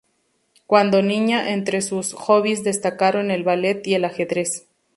Cuando niña, entre sus hobbies destacaron el ballet y el ajedrez.